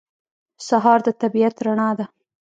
سهار د طبیعت رڼا ده.